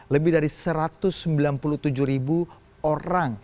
lebih dari satu ratus sembilan puluh tujuh ribu orang